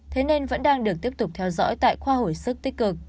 thế nên vẫn đang được tiếp tục theo dõi tại khoa hồi sức tích cực